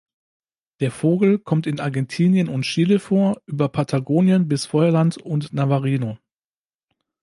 Der Vogel kommt in Argentinien und Chile vor über Patagonien bis Feuerland und Navarino.